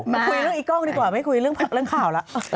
คุยเรื่องอีกล้องดีกว่าไม่คุยเรื่องข่าวแล้ว